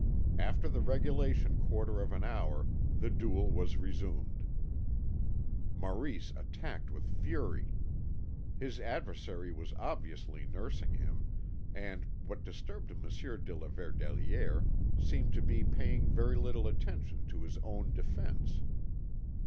After the regulation quarter of an hour the duel was resumed. Maurice attacked with fury. His adversary was obviously nursing him, and, what disturbed Monsieur de la Verdelière, seemed to be paying very little attention to his own defence.